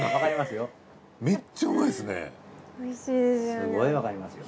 すごいわかりますよ。